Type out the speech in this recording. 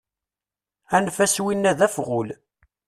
Anef-as win-a d afɣul.